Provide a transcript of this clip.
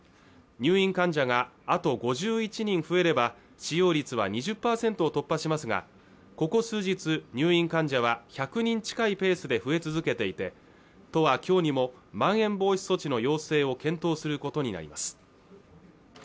入院患者があと５１人増えれば使用率は２０％を突破しますがここ数日、入院患者は１００人近いペースで増え続けていて都は今日にもまん延防止措置の要請を検討することになります